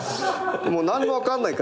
何も分かんないから。